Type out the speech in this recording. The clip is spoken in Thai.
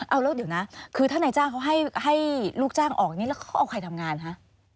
เอาแล้วเดี๋ยวนะคือถ้านายจ้างเขาให้ลูกจ้างออกนี่แล้วเขาเอาใครทำงานคะ